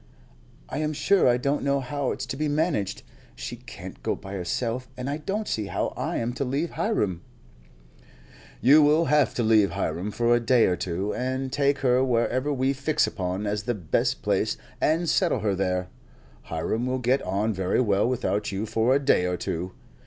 "I am sure I don't know how it's to be managed. She can't go by herself, and I don't see how I am to leave Hiram." "You will have to leave Hiram for a day or two, and take her wherever we fix upon as the best place and settle her there. Hiram will get on very well without you for a day or two.